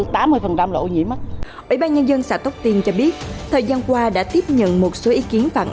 thì ủy ban nhân dân xã tóc tiên đã chỉ đạo cán bộ chuyên môn